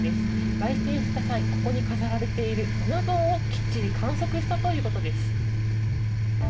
来店した際ここに飾られている、うな丼をきっちり完食したということです。